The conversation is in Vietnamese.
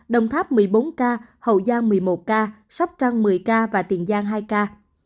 đồng tháp một mươi bốn ca hậu giang một mươi một ca sóc trăng một mươi ca và tiền giang hai ca